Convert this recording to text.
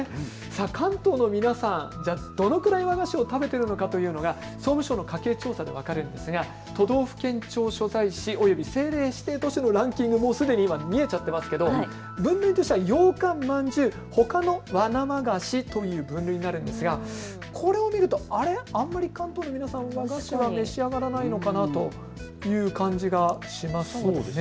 関東の皆さん、どのくらい和菓子を食べているのかというのが総務省の家計調査で分かるんですが都道府県庁所在市、および政令指定都市のランキング、ようかん、まんじゅう、ほかの和生菓子という分類になるんですが、これを見るとあんまり関東の皆さん、和菓子は召し上がっていないのかなという感じがしますね。